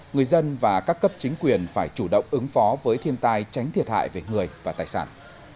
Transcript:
người dân và các cấp chính quyền phải chủ động ứng phó với thiên tai tránh thiệt hại về người và tài sản